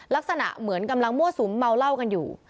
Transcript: ลักษณะเหมือนกำลังมั่วสุมเมาเหล้ากันอยู่